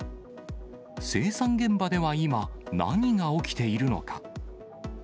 生産現場では今、何が起きているのか。